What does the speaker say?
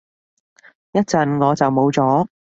一陣我就冇咗